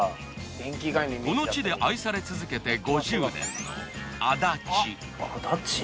この地で愛され続けて５０年のあだち。